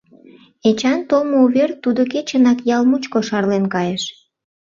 Эчан толмо увер тудо кечынак ял мучко шарлен кайыш.